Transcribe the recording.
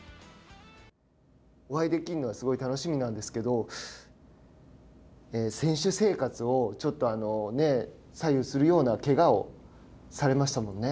お会いできるの楽しみなんですけれども選手生活を左右するようなけがをされましたもんね。